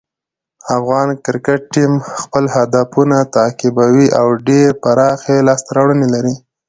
افغان کرکټ ټیم خپل هدفونه تعقیبوي او ډېرې پراخې لاسته راوړنې لري.